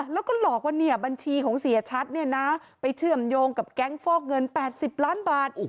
แล้วก็หลอกว่าบัญชีของเสียชัดเนี่ยนะไปเชื่อมโยงกับแก๊งฟอกเงิน๘๐ล้านบาท